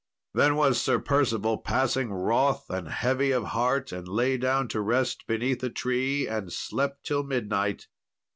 Then was Sir Percival passing wroth and heavy of heart, and lay down to rest beneath a tree, and slept till midnight.